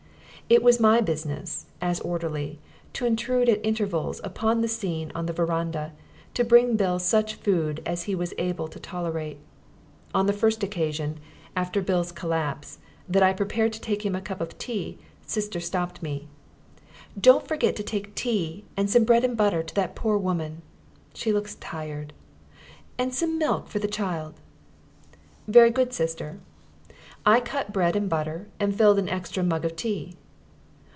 It was my business, as orderly, to intrude at intervals upon the scene on the verandah, to bring Bill such food as he was able to tolerate. On the first occasion, after Bill's collapse, that I prepared to take him a cup of tea, Sister stopped me. "Don't forget to take tea, and some bread and butter, to that poor woman. She looks tired. And some milk for the child." "Very good, Sister." I cut bread and butter, and filled an extra mug of tea.